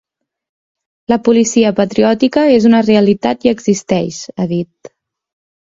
La policia patriòtica és una realitat i existeix, ha dit.